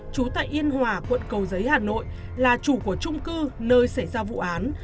trú tại yên hòa quận cầu giấy hà nội là chủ của trung cư nơi xảy ra vụ án